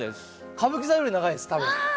歌舞伎座より長いです多分花道。